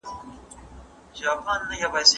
چاپېریال ساتنه د انسان د ژوند د کیفیت برخه ده.